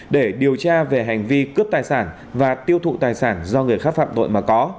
để điều tra về hành vi cướp tài sản và tiêu thụ tài sản do người khác phạm tội mà có